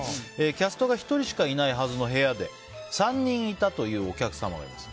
キャストが１人しかいないはずの部屋で３人いたと言うお客様がいます。